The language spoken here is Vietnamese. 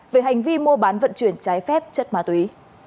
về hành vi mua bán vận chuyển trái phép chất ma túy